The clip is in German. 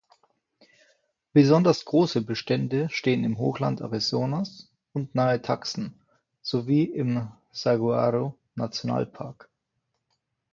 Besonders große Bestände stehen im Hochland Arizonas und nahe Tucson sowie im Saguaro-Nationalpark.